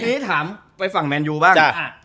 ทีนี้ถามไปฝั่งแมนยูบ้าง